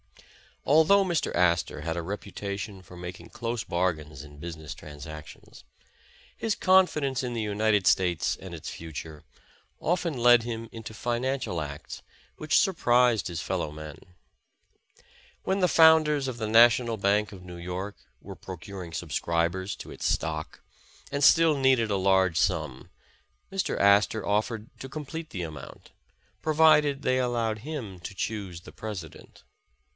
Although Mr. Astor had a reputation for making close bar5::ains in business transactions, his confidence in the United States and its future, often led him into financial acts which surprised his fello^\^nen. When the found ers of the National Bank of New York were procuring subscribers to its stock, and still needed a large sum, Mr. Astor offered to complete the amount, provided they allowed him to choose the President.